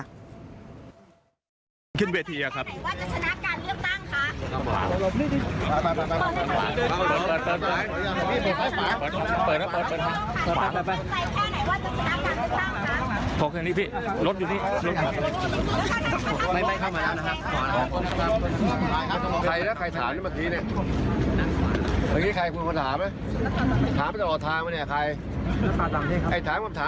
ขอเครื่องนี้พี่รถอยู่ที่นี่